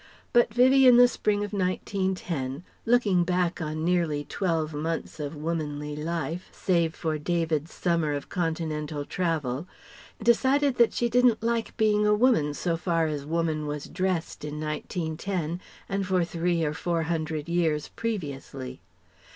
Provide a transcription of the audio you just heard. But Vivie in the spring of 1910, looking back on nearly twelve months of womanly life (save for David's summer of continental travel) decided that she didn't like being a woman, so far as Woman was dressed in 1910 and for three or four hundred years previously.